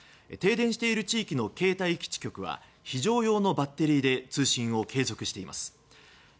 停電している地域の携帯基地局は非常用のバッテリーで通信を継続しています。